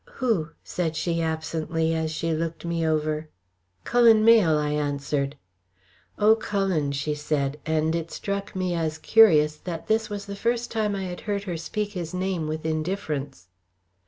"Who?" said she absently, as she looked me over. "Cullen Mayle," I answered. "Oh, Cullen," she said, and it struck me as curious that this was the first time I had heard her speak his name with indifference.